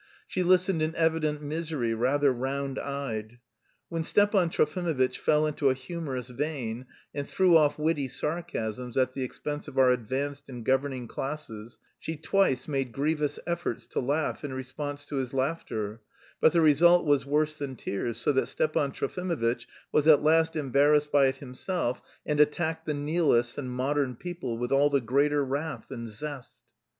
She listened in evident misery, rather round eyed. When Stepan Trofimovitch fell into a humorous vein and threw off witty sarcasms at the expense of our advanced and governing classes, she twice made grievous efforts to laugh in response to his laughter, but the result was worse than tears, so that Stepan Trofimovitch was at last embarrassed by it himself and attacked "the nihilists and modern people" with all the greater wrath and zest.